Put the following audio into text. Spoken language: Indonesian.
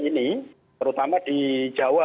ini terutama di jawa